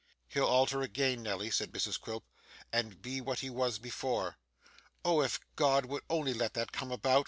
'He'll alter again, Nelly,' said Mrs Quilp, 'and be what he was before.' 'Oh, if God would only let that come about!